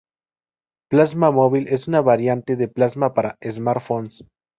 Plasma Móvil es una variante de Plasma para 'smartphones'.